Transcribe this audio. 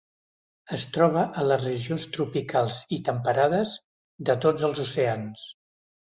Es troba a les regions tropicals i temperades de tots els oceans.